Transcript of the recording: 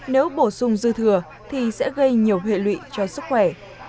nếu bổ sung dư thừa thì sẽ gây nhiều hệ lụy cho sức khỏe